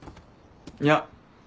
いや。